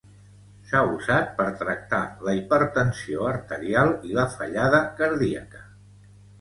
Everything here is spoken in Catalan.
S'ha usat per tractar la hipertensió arterial i la fallada cardíaca.